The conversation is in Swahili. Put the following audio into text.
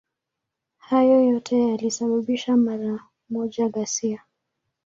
Hayo yote yalisababisha mara moja ghasia.